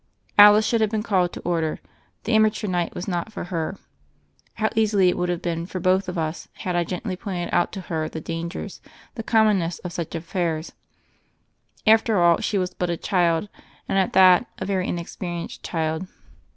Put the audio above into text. Alice should have been called to order. The "Amateur Night" was not for her. How easily would it have been for both of us had I gently pointed out to her the dangers, the commonness of such affairs. After all, she was but a child and, at that, a very inexperienced child.